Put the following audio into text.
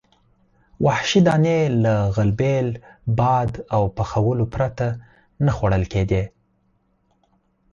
وحشي دانې له غلبیل، باد او پخولو پرته نه خوړل کېدې.